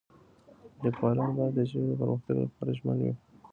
لیکوالان باید د ژبې د پرمختګ لپاره ژمن وي.